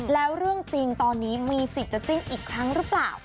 แล้วเรื่องจริงตอนนี้มีสิทธิ์จะจิ้นอีกครั้งหรือเปล่า